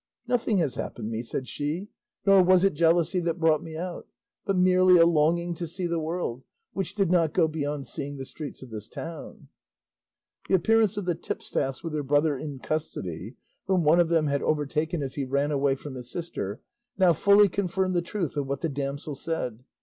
"Nothing has happened me," said she, "nor was it jealousy that brought me out, but merely a longing to see the world, which did not go beyond seeing the streets of this town." The appearance of the tipstaffs with her brother in custody, whom one of them had overtaken as he ran away from his sister, now fully confirmed the truth of what the damsel said.